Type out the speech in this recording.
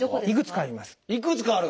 いくつかある？